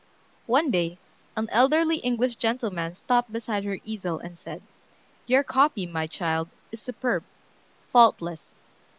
One day an elderly English gentleman stopped beside her easel, and said: "Your copy, my child, is superb, faultless.